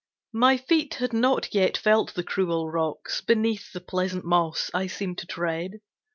My feet had not yet felt the cruel rocks Beneath the pleasant moss I seemed to tread.